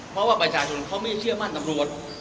เพราะว่าประชาชนเขาไม่เชื่อมั่นตำรวจ